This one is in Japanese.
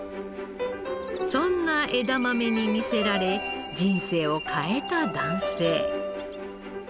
そんな枝豆に魅せられ人生を変えた男性。